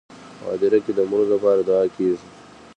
په هدیره کې د مړو لپاره دعا کیږي.